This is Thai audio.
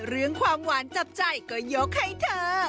เรื่องความหวานจับใจก็ยกให้เธอ